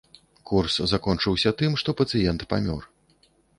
Курс закончыўся тым, што пацыент памёр.